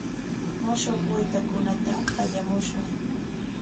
Mushkuq waytakunata pallamushun.